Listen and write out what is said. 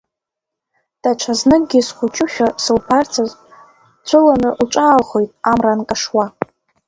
Даҽазныкгьы схәыҷушәа, сылбарцаз дцәыланы лҿаалхоит амра анкашуа.